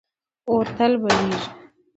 اور تل بلېږي.